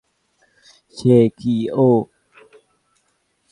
সে কি ও?